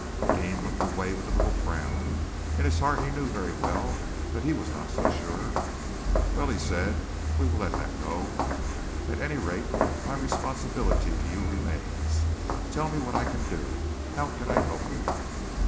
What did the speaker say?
Deane looked away with a little frown. In his heart he knew very well that he was not so sure! "Well," he said, "we will let that go. At any rate, my responsibility to you remains. Tell me what I can do? How can I help you?"